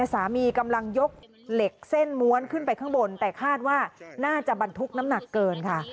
สามีกำลังยกเหล็กเส้นม้วนขึ้นไปข้างบนแต่คาดว่าน่าจะบรรทุกน้ำหนักเกินค่ะ